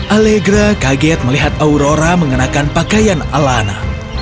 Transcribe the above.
allegra kaget melihat aurora mengenakan pakaian alanna